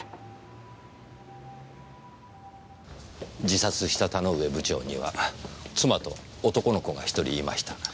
自殺した田ノ上部長には妻と男の子が１人いました。